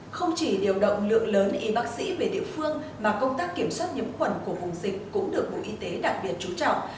không chỉ điều động lượng lớn y bác sĩ về địa phương mà công tác kiểm soát nhiễm khuẩn của vùng dịch cũng được bộ y tế đặc biệt trú trọng